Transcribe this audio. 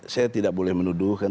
saya tidak boleh menuduhkan